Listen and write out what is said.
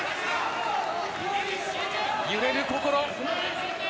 揺れる心。